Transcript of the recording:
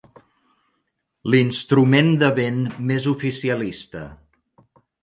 L'instrument de vent més oficialista.